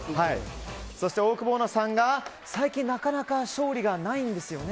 そしてオオクボーノさんが、最近なかなか勝利がないんですよね。